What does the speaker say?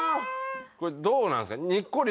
これどうなんですか？